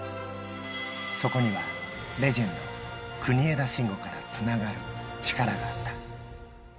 そこには、レジェンド、国枝慎吾からつながる力があった。